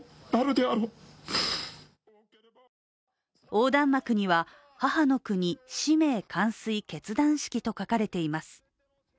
横断幕には「母の国使命完遂決断式」と書かれています。